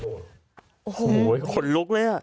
โอ้โฮคนลุกเลย